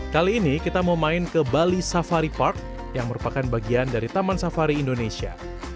kali ini kita mau main ke bali safari park yang merupakan bagian dari taman safari indonesia